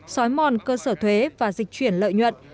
xói mòn cơ sở thuế và dịch chuyển lợi nhuận